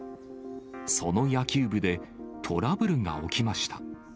その野球部でトラブルが起きました。